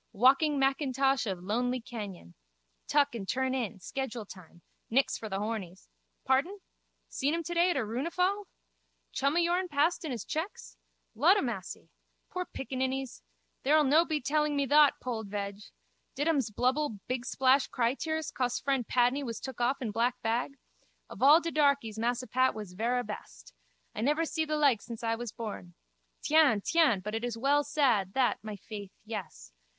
Walking Mackintosh of lonely canyon. Tuck and turn in. Schedule time. Nix for the hornies. Pardon? Seen him today at a runefal? Chum o' yourn passed in his checks? Ludamassy! Pore piccaninnies! Thou'll no be telling me thot, Pold veg! Did ums blubble bigsplash crytears cos fren Padney was took off in black bag? Of all de darkies Massa Pat was verra best. I never see the like since I was born. Tiens, tiens, but it is well sad, that, my faith, yes.